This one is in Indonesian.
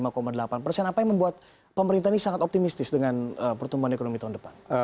apa yang membuat pemerintah ini sangat optimistis dengan pertumbuhan ekonomi tahun depan